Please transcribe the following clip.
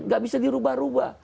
nggak bisa dirubah rubah